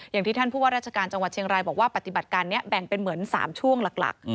อย่างที่ท่านผู้ว่าราชการจังหวัดเชียงรายบอกว่าปฏิบัติการนี้แบ่งเป็นเหมือน๓ช่วงหลัก